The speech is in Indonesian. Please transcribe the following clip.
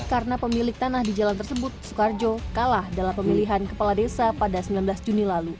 karena pemilik tanah di jalan tersebut soekarjo kalah dalam pemilihan kepala desa pada sembilan belas juni lalu